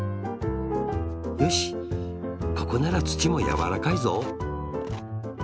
よしここならつちもやわらかいぞ。